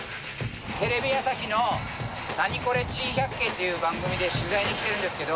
テレビ朝日の『ナニコレ珍百景』っていう番組で取材に来てるんですけど。